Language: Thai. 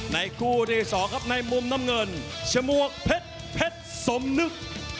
คู่ที่สองครับในมุมน้ำเงินชมวกเพชรเพชรสมนึก